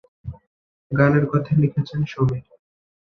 গানের কথা লিখেছেন সমীর।